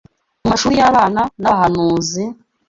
Mu mashuri y’abana b’abahanuzi,